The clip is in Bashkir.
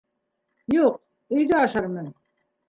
— Юҡ, өйҙә ашармын.